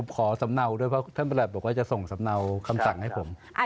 ขอสำเนาด้วยเพราะท่านประหลัดบอกว่าจะส่งสำเนาคำสั่งให้ผม